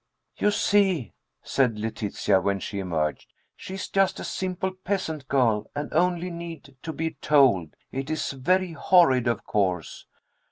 "You see," said Letitia, when she emerged, "she is just a simple peasant girl, and only needs to be told. It is very horrid, of course."